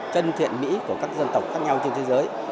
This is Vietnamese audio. chân thiện mỹ của các dân tộc khác nhau trên thế giới